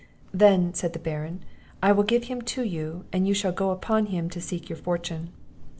"Then," said the Baron, "I will give him to you; and you shall go upon him to seek your fortune."